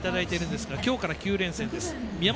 今日から９連戦です。